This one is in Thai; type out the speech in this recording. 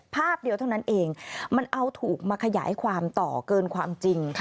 ภาพเดียวเท่านั้นเองมันเอาถูกมาขยายความต่อเกินความจริง